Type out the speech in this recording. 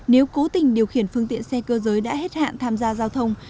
nếu cố tình điều khiển phương tiện xe cơ giới đã hết hạn tham gia giao thông